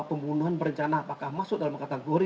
pembunuhan berencana apakah masuk dalam kategori